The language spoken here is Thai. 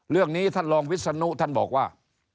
เรื่องนี้ท่านรองวิศนุท่านบอกว่า